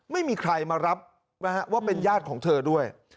ไม่มีใครมารับนะฮะว่าเป็นญาติของเธอด้วย